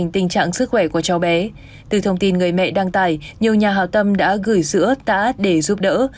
từ thông tin người mẹ đăng tải nhiều nhà hào tâm đã gửi sữa tả át để giúp đỡ